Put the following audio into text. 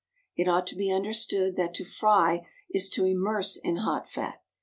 It ought to be understood that to fry is to immerse in hot fat.